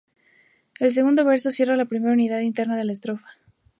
El segundo verso cierra la primera unidad interna de la estrofa.